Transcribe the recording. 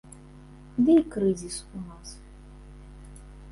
Ды і крызіс у нас.